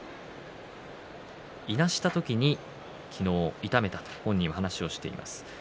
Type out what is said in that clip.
いなした時に昨日、痛めたと本人は話をしています。